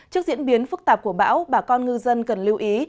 trước diễn biến phức tạp của bão bà con ngư dân cần lưu ý